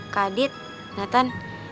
kak dit natan